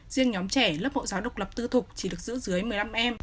riêng nhóm trẻ lớp mẫu giáo độc lập tư thục chỉ được giữ dưới một mươi năm em